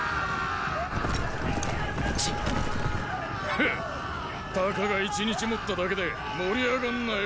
へったかが一日もっただけで盛り上がんなよ